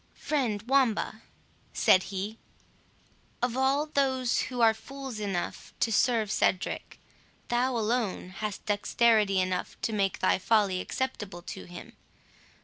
"Friend Wamba," said he, "of all those who are fools enough to serve Cedric, thou alone hast dexterity enough to make thy folly acceptable to him.